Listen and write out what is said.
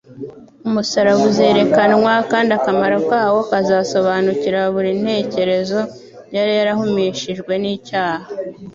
Umusaraba uzerekanwa, kandi akamaro kawo kazasobanukira buri ntekerezo yari yarahumishijwe n'icyaha.